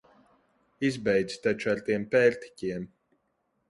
Izbeidz taču ar tiem pērtiķiem!